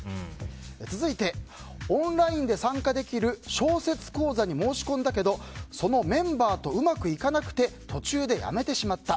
続いてオンラインで参加できる小説講座に申し込んだけど、そのメンバーとうまくいかなくて途中でやめてしまった。